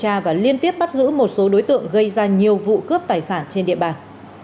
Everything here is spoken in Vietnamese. công an tp hà nội tiếp bắt giữ một số đối tượng gây ra nhiều vụ cướp tài sản trên địa bàn